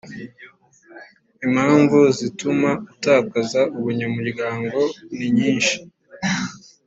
impamvu zituma utakaza ubunyamuryango ni nyinshi